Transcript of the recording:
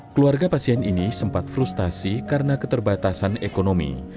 keluarga pasien ini sempat frustasi karena keterbatasan ekonomi